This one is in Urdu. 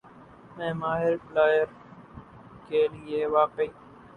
میں ماہر پلئیر کے لیے واقعی